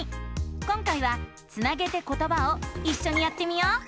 今回は「つなげてことば」をいっしょにやってみよう！